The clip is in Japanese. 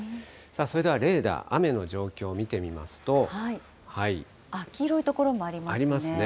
それではレーダー、雨の状況を見黄色い所もありますね。